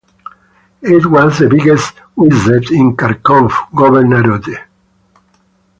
It was the biggest "uyezd" in Kharkov Governorate.